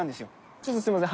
ちょっとすいません。